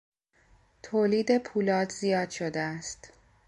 تولید پولاد زیاد شده است.